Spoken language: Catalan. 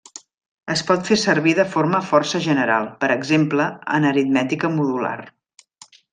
Es pot fer servir de forma força general, per exemple en aritmètica modular.